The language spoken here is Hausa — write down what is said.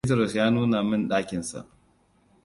Bitrus ya nuna min ɗakinsa.